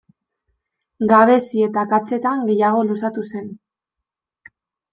Gabezi eta akatsetan gehiago luzatu zen.